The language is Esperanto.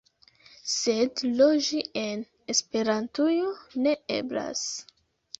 Sed loĝi en Esperantujo ne eblas.